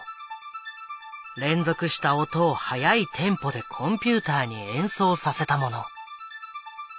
連続した音を速いテンポでコンピューターに演奏させたもの。